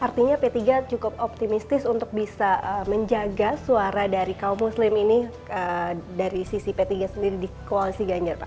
artinya p tiga cukup optimistis untuk bisa menjaga suara dari kaum muslim ini dari sisi p tiga sendiri di koalisi ganjar pak